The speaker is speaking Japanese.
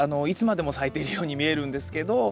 いつまでも咲いているように見えるんですけど。